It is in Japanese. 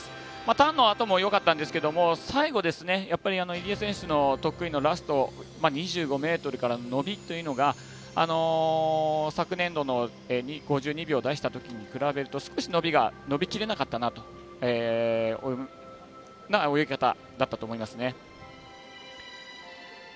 ターンのあともよかったんですが最後、入江選手の得意のラスト２５ｍからの伸びというのが昨年度の５２秒を出したときに比べると少し伸びが伸び切れなかったなという泳ぎ方だったなと思いますね。